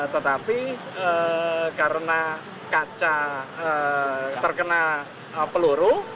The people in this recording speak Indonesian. tetapi karena kaca terkena peluru